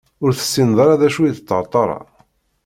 Ur tessineḍ ara d acu i d ṭerṭara?